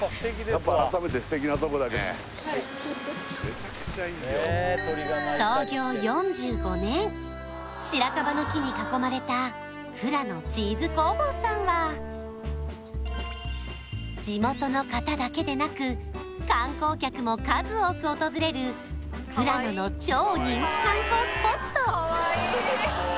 やっぱ改めてステキなとこだね創業４５年しらかばの木に囲まれた富良野チーズ工房さんは地元の方だけでなく観光客も数多く訪れる富良野の超人気観光スポット